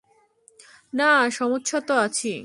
না, সমস্যা তো আছেই।